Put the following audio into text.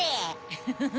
フフフ。